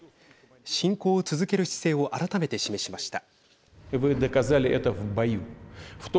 侵攻を続ける姿勢を改めて示しました。